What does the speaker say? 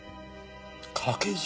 掛け軸？